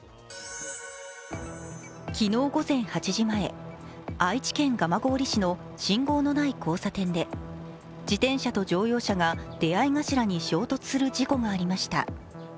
昨日午前８時前、愛知県蒲郡市の信号のない交差点で自転車と乗用車が出会い頭に衝突する事故がありました。